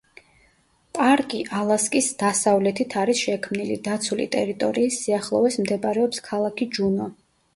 პარკი ალასკის დასავლეთით არის შექმნილი, დაცული ტერიტორიის სიახლოვეს მდებარეობს ქალაქი ჯუნო.